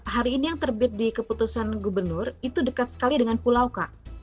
hari ini yang terbit di keputusan gubernur itu dekat sekali dengan pulau k